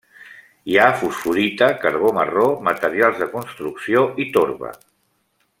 Hi ha fosforita, carbó marró, materials de construcció i torba.